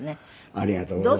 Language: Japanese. ありがとうございます。